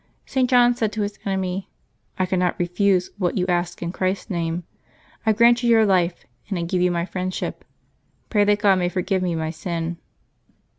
St. John said to his enemy, " I cannot refuse what you ask in Christ's name. I grant you your life, and I give you my friendship. Pray that God may forgive me my sin."